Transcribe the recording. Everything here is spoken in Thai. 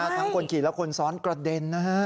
คนขี่และคนซ้อนกระเด็นนะฮะ